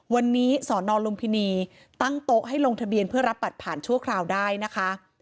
วันนี้สอนอลุมพินีตั้งโต๊ะให้ลงทะเบียนเพื่อรับบัตรผ่านชั่วคราวได้นะคะ